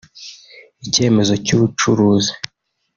icyemezo cy’ubucuruzi